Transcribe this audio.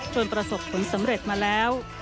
จนประสบคุณสำเร็จมาแล้ว